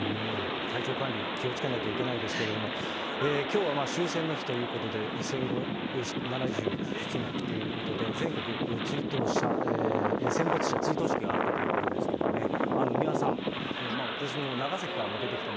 体調管理、気をつけなきゃいけないですけれども、きょうは終戦の日ということで、戦後７７年ということで、全国戦没者追悼式があったということですけれどもね、三輪さん、私も長崎から出てきた